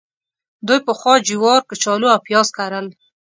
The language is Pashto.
دوی پخوا جوار، کچالو او پیاز کرل.